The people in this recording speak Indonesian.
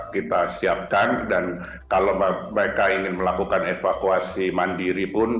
kita siapkan dan kalau mereka ingin melakukan evakuasi mandiri pun